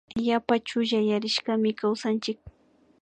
Yapa chullayarishkami kawsanchik